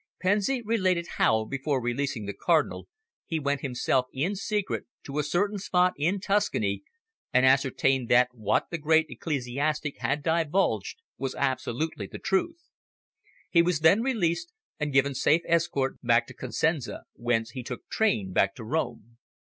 Pensi related how, before releasing the Cardinal, he went himself in secret to a certain spot in Tuscany, and ascertained that what the great ecclesiastic had divulged was absolutely the truth. He was then released, and given safe escort back to Cosenza, whence he took train back to Rome."